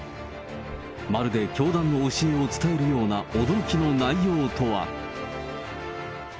まるで教団の教えを伝えるような驚きの内容とは。